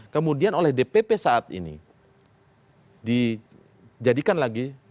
kemudian oleh dpp saat ini dijadikan lagi